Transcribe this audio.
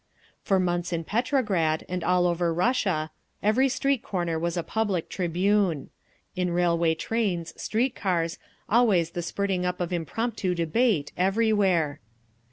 For months in Petrograd, and all over Russia, every street corner was a public tribune. In railway trains, street cars, always the spurting up of impromptu debate, everywhere….